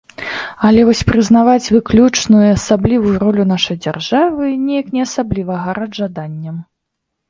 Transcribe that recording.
Але вось прызнаваць выключную і асаблівую ролю нашай дзяржавы неяк не асабліва гараць жаданнем.